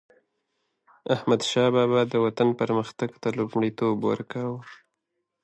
احمدشاه بابا به د وطن پرمختګ ته لومړیتوب ورکاوه.